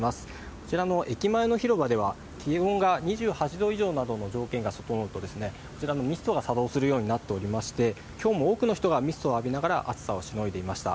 こちらの駅前の広場では気温が２８度以上などの条件が整うとこちらのミストが作動するようになっておりまして、今日も多くの人がミストを浴びながら暑さをしのいでいました。